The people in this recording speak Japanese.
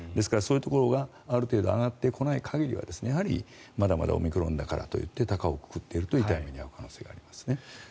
そういうところがある程度上がってこない限りはやはりまだまだオミクロンだからといって高をくくっていると痛い目に遭う可能性がありますね。